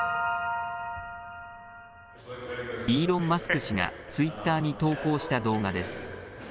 イーロン・マスク氏がツイッターに投稿した動画です。